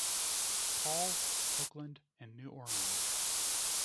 Paul, Oakland, and New Orleans.